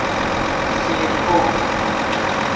سیرکوب